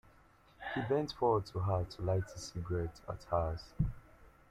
He bent forward to her to light his cigarette at hers.